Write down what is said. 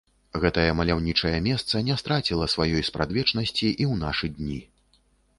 Гэтае маляўнічае месца не страціла сваёй спрадвечнасці і ў нашы дні.